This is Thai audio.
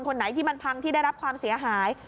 คนไหนที่มันพังที่ได้รับความเสียหาย